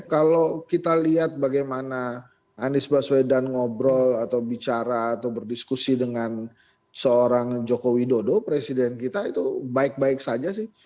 kalau kita lihat bagaimana anies baswedan ngobrol atau bicara atau berdiskusi dengan seorang joko widodo presiden kita itu baik baik saja sih